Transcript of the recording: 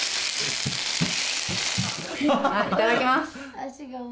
いただきます。